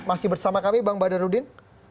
masih bersama kami bang badarudin